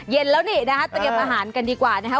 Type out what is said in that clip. เย็นแล้วนี่นะคะเตรียมอาหารกันดีกว่านะคะ